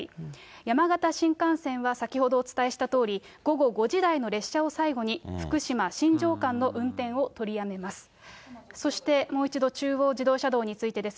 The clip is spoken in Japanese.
山形新幹線は先ほどお伝えしたとおり、午後５時台の列車を最後に、福島・新庄間の運転を取りやめます。